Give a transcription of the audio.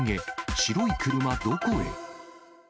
白い車どこへ？